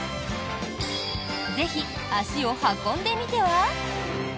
ぜひ足を運んでみては？